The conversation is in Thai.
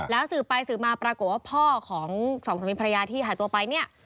แล้วสืบไปสืบมาปรากฏว่าพ่อของสองสามีภรรยาที่หายตัวไปเนี่ย